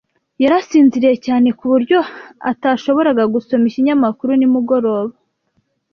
Yari asinziriye cyane ku buryo atashoboraga gusoma ikinyamakuru nimugoroba.